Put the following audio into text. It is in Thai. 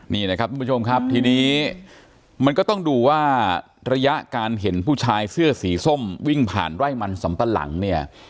นี่นะครับทุกผู้ชมครับทีนี้มันก็ต้องดูว่าระยะการเห็นผู้ชายเสื้อสีส้มวิ่งผ่านไร่มันสำปะหลังเนี่ย